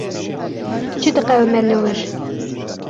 Çi diqewime li wir?